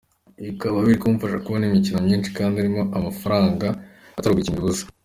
Bikaba biri kumfasha kubona imikino myishi kandi irimo amafaranga, atari ugukinira ubusa.